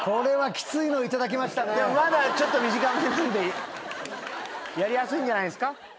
まだ短めなんでやりやすいんじゃないっすか？